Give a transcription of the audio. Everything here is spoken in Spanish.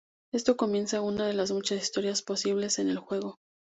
Esto comienza una de las muchas historias posibles en el juego.